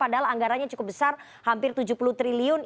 padahal anggarannya cukup besar hampir tujuh puluh triliun